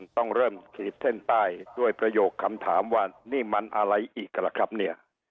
ต้องเริ่มขีดเส้นใต้ด้วยประโยคคำถามว่านี่มันอะไรอีกกันล่ะครับเนี่ย